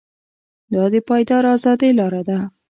دا د پایداره ازادۍ لاره ده.